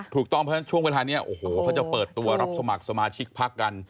ถูกต้องเพราะฉะนั้นช่วงเวลานี้โอ้โหเขาจะเปิดตัวรับสมัครสมาชิกพักกัน